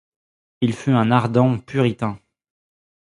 Il fut un ardent puritain.